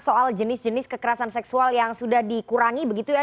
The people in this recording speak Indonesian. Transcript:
soal jenis jenis kekerasan seksual yang sudah dikurangi begitu ya